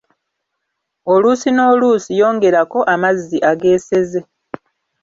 Oluusi n'oluusi yongerako amazzi ageeseze.